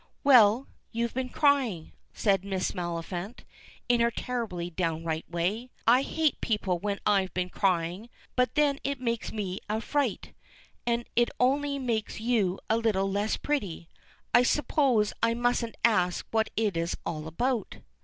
"Well, you've been crying," says Miss Maliphant, in her terribly downright way. "I hate people when I've been crying; but then it makes me a fright, and it only makes you a little less pretty. I suppose I mustn't ask what it is all about?"